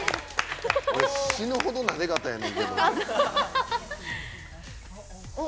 俺、死ぬほどなで肩やねんけど。